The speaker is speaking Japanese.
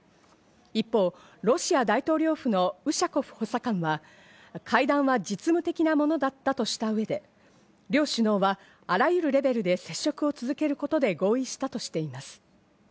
一方、ロシア大統領府のウシャコフ補佐官は、会談は実務的なものだったとした上で両首脳は、あらゆるレベルで接触を続けることで合意したとしています。